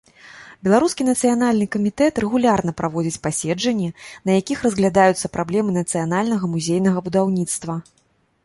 Беларускі нацыянальны камітэт рэгулярна праводзіць паседжанні, на якіх разглядаюцца праблемы нацыянальнага музейнага будаўніцтва.